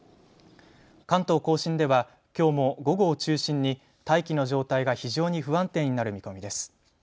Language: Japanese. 関東甲信ではきょうも午後を中心に大気の状態が非常に不安定になる見込みです。